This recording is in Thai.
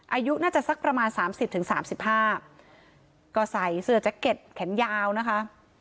อายุน่าจะสักประมาณสามสิบถึงสามสิบห้าก็ใส่เสื้อแจ็คเก็ตแขนยาวนะคะ